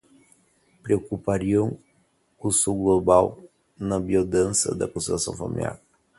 Preocupariam o Sul Global na biodança da constelação familiar